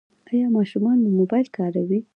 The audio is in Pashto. ایا ماشومان مو موبایل کاروي؟